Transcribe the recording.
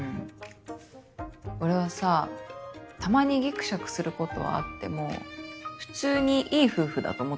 俺はさたまにギクシャクすることはあっても普通にいい夫婦だと思ってたんだよね